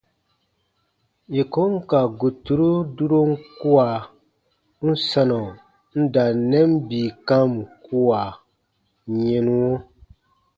Yè kon ka guturu durom kua, n sanɔ n da n nɛn bii kam kua yɛnuɔ.